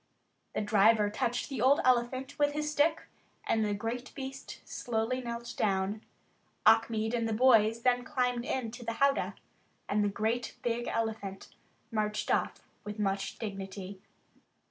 The driver touched the old elephant with his stick and the great beast slowly knelt down. Achmed and the boys then climbed into the howdah, and the great big elephant marched off with much dignity.